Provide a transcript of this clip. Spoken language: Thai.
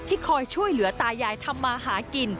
คอยช่วยเหลือตายายทำมาหากิน